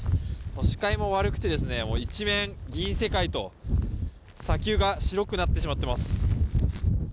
視界も悪くて、一面銀世界と砂丘が白くなってしまっています。